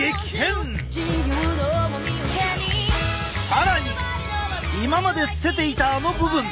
更に今まで捨てていたあの部分。